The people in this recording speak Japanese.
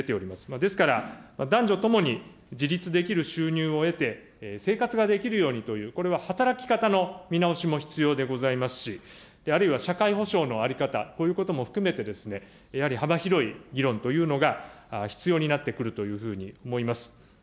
ですから、男女ともに自立できる収入を得て、生活ができるようにという、これは働き方の見直しも必要でございますし、あるいは社会保障の在り方、こういうことも含めて、やはり幅広い議論というのが必要になってくるというふうに思います。